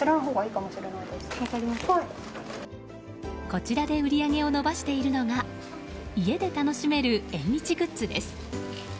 こちらで売り上げを伸ばしているのが家で楽しめる縁日グッズです。